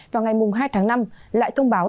vào ngày hai tháng năm lại thông báo